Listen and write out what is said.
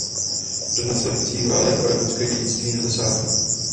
Do následujících válek o rakouské dědictví nezasáhl.